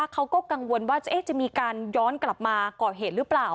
เขาก็กังวลว่าจะมีการย้อนกลับมาก่อเหตุหรือเปล่า